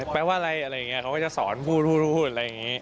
แปลว่าอะไรอะไรอย่างนี้เขาก็จะสอนพูดอะไรอย่างนี้